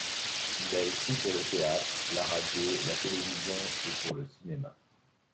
Il a écrit pour le théâtre, la radio, la télévision et pour le cinéma.